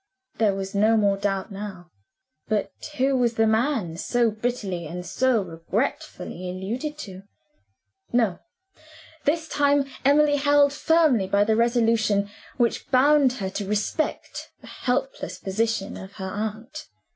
There was no more doubt now. But who was the man, so bitterly and so regretfully alluded to? No: this time Emily held firmly by the resolution which bound her to respect the helpless position of her aunt.